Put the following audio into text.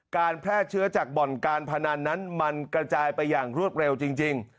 การแพร่เชื้อจากบ่อนการพนันนั้นมันกระจายไปอย่างรวดเร็วจริง